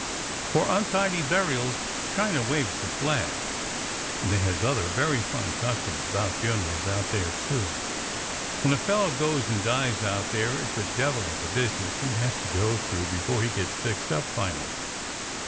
For untidy burials China waves the flag, and they has other very funny customs about funerals out there, too. When a fellow goes and dies out there it's a devil of a busi ness he has to go through before he gets fixed up final.